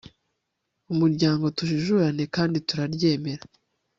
Umuryango TUJIJURANE kandi turaryemera